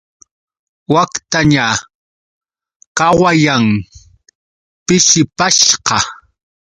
Waktaña qawayan, pishipashqa.